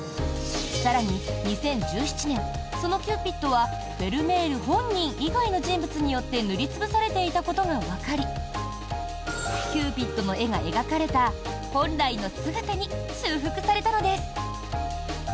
更に、２０１７年そのキューピッドはフェルメール本人以外の人物によって塗り潰されていたことがわかりキューピッドの絵が描かれた本来の姿に修復されたのです。